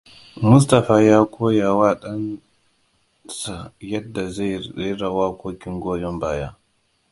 Mustapha ya koyawa ɗanda yadda zai rera waƙoƙin goyon baya.